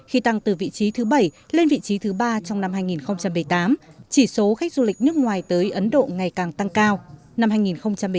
khi tăng từ vị trí thứ bảy lên vị trí thứ ba trong năm hai nghìn một mươi tám chỉ số khách du lịch nước ngoài tới ấn độ ngày càng tăng cao